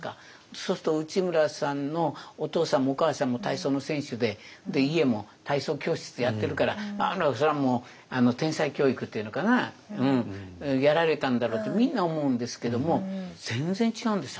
そうすると内村さんのお父さんもお母さんも体操の選手でで家も体操教室やってるからそれはもう天才教育って言うのかなやられたんだろうとみんな思うんですけども全然違うんですよ